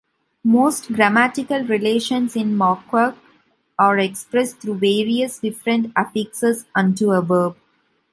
Most grammatical relations in Mohawk are expressed through various different affixes unto a verb.